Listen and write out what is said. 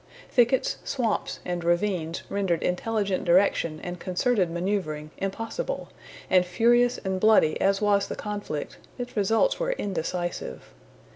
Thickets, swamps, and ravines, rendered intelligent direction and concerted manoeuvering impossible, and furious and bloody as was the conflict, its results were indecisive.